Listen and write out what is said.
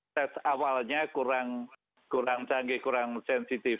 tes awalnya kurang canggih kurang sensitif